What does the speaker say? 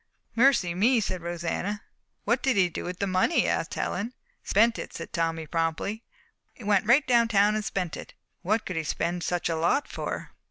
"Mercy me!" said Rosanna. "What did he do with the money?" asked Helen. "Spent it," said Tommy promptly. "Went right down town and spent it." "What could he spend such a lot for?"